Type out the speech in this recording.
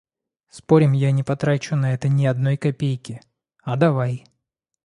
«Спорим, я не потрачу на это ни одной копейки?» — «А давай!»